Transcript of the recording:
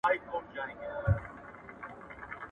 درواغجن حافظه نه لري.